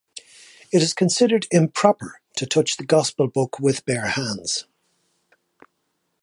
It is considered improper to touch the Gospel Book with bare hands.